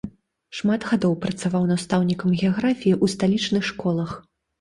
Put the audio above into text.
Шмат гадоў працаваў настаўнікам геаграфіі ў сталічных школах.